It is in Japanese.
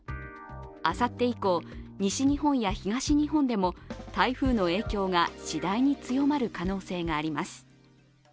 あさって以降、西日本や東日本でも台風の影響が次第に強まる可能性があります。